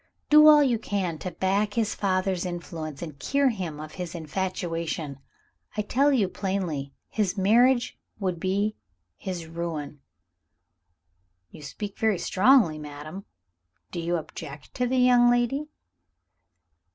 Do all you can to back his father's influence, and cure him of his infatuation. I tell you plainly, his marriage would be his ruin!" "You speak very strongly, madam. Do you object to the young lady?"